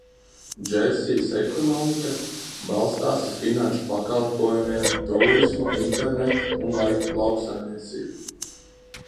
Džersijas ekonomika balstās uz finanšu pakalpojumiem, tūrismu, internetu un lauksaimniecību.